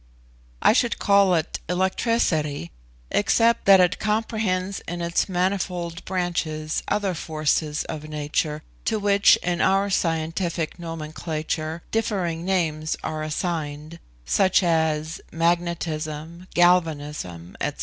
I should call it electricity, except that it comprehends in its manifold branches other forces of nature, to which, in our scientific nomenclature, differing names are assigned, such as magnetism, galvanism, &c.